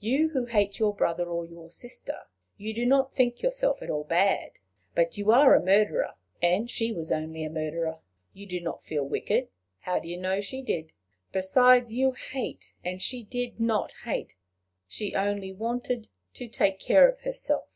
You who hate your brother or your sister you do not think yourself at all bad! But you are a murderer, and she was only a murderer. You do not feel wicked? How do you know she did? Besides, you hate, and she did not hate; she only wanted to take care of herself.